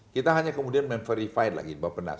kita hanya kemudian memverify lagi